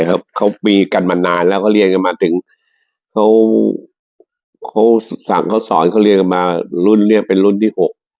สองคนเขาสอนเรียนมารุ่นนี้เป็นรุ่นที่๖